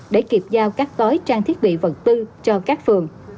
để kịp giao các gói trang thiết bị vật tư cho các phường